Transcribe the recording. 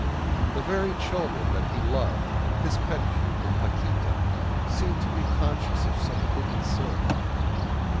The very children that he loved his pet pupil, Paquita seemed to be conscious of some hidden sin.